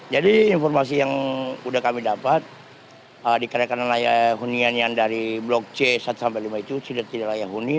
jadi informasi yang udah kami dapat di kerekanan layak hunian yang dari block c satu lima itu tidak tidak layak huni